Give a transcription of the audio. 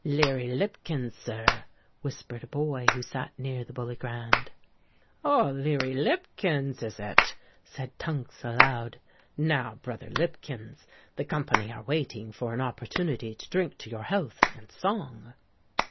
"Leary Lipkins's, sir," whispered a boy who sate near the Bully Grand. "Oh! Leary Lipkins—is it?" said Tunks aloud. "Now, brother Lipkins, the company are waiting for an opportunity to drink to your health and song."